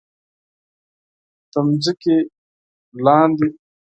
د ځمکې لاندې